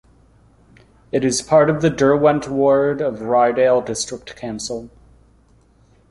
It is part of the Derwent ward of Ryedale District Council.